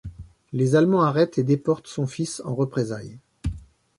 Les Allemands arrêtent et déportent son fils en représailles.